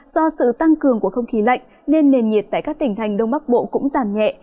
do sự tăng cường của không khí lạnh nên nền nhiệt tại các tỉnh thành đông bắc bộ cũng giảm nhẹ